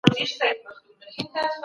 ګلایکوجن ورو ورو کمېږي.